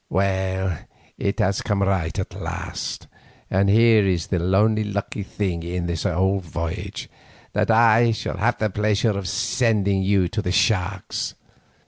Well, it has come right at last, and here is the only lucky thing in all this voyage, that I shall have the pleasure of sending you to the sharks.